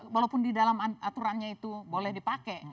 walaupun di dalam aturannya itu boleh dipakai